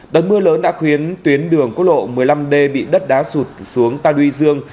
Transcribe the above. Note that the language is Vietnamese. tấn mưa lớn đã khuyến tuyến đường cốt lộ một mươi năm d bị đất đá sụt xuống ta duy dương